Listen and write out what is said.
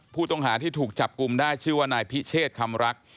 ผู้ต้องหาที่ถูกจับกลุ่มได้ชื่อว่านายพิเชษคำรัก